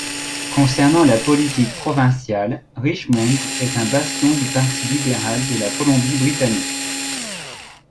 Concernant la politique provinciale, Richmond est un bastion du Parti libéral de la Colombie-Britannique.